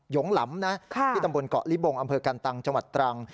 งหลำนะที่ตำบลเกาะลิบงอำเภอกันตังจังหวัดตรัง